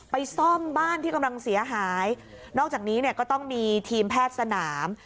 ซ่อมบ้านที่กำลังเสียหายนอกจากนี้เนี่ยก็ต้องมีทีมแพทย์สนาม